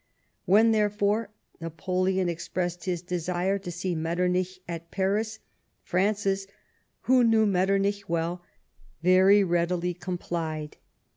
When, therefore, Napoleon expressed his desire to see Metternich at Paris, Francis, who knew Metternich well, very readily complied.